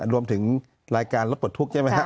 รวมถึงรายการรถปลดทุกข์ใช่ไหมครับ